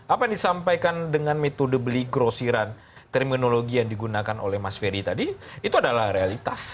apa yang disampaikan dengan metode beli grosiran terminologi yang digunakan oleh mas ferry tadi itu adalah realitas